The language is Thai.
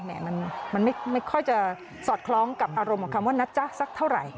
มันไม่ค่อยจะสอดคล้องกับอารมณ์คนคือหนักจ้ะสักเท่าไร